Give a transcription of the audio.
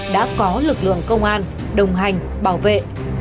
đã có lực lượng công an đồng hành bảo vệ